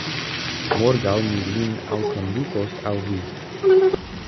Morgaŭ mi lin alkondukos al vi.